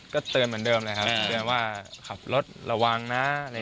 ก็เตือนเหมือนเดิมเลยครับเตือนว่าขับรถระวังนะ